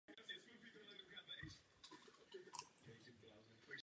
Vykonat ji může i asistent státního zástupce s tříletou právní praxí.